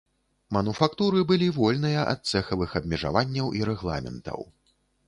Мануфактуры былі вольныя ад цэхавых абмежаванняў і рэгламентаў.